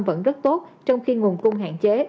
vẫn rất tốt trong khi nguồn cung hạn chế